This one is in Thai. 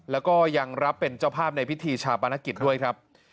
แล้วก็ยังรับเป็นเจ้าภาพในพิธีชาปนกิจด้วยครับ